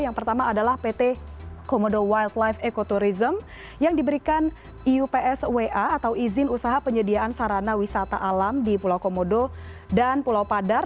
yang pertama adalah pt komodo wildlife ecotourism yang diberikan iups wa atau izin usaha penyediaan sarana wisata alam di pulau komodo dan pulau padar